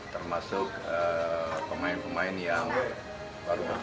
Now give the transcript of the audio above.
termasuk pemain pemain yang baru